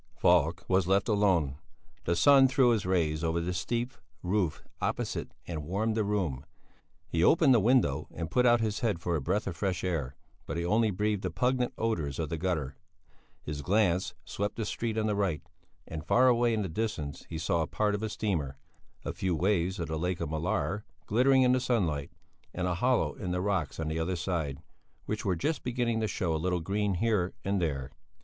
Falk was left alone. The sun threw his rays over the steep roof opposite and warmed the room; he opened the window and put out his head for a breath of fresh air, but he only breathed the pungent odours of the gutter. His glance swept the street on the right and far away in the distance he saw a part of a steamer, a few waves of the Lake of Mälar glittering in the sunlight, and a hollow in the rocks on the other side, which were just beginning to show a little green here and there.